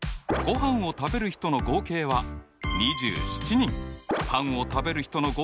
パンを食べる人の合計は２５人。